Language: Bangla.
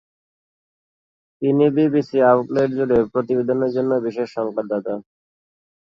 তিনি বিবিসি আউটলেট জুড়ে প্রতিবেদনের জন্য বিশেষ সংবাদদাতা।